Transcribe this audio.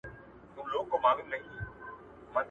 زه کولای سم کتابونه وړم؟